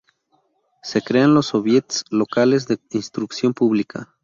Se crean los Soviets locales de instrucción pública.